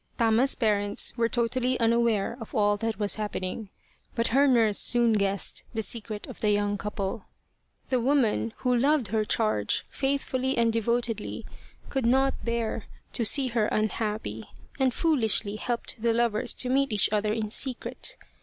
Tama's parents were totally unaware of all that was happening, but her nurse soon guessed the secret 102 The Reincarnation of Tama of the young couple. The woman, who loved her charge faithfully and devotedly, could not bear to see her unhappy, and foolishly helped the lovers to meet each other in secret.